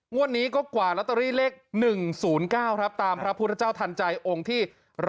วันนี้ก็กว่าลอตเตอรี่เลข๑๐๙ครับตามพระพุทธเจ้าทันใจองค์ที่๑๐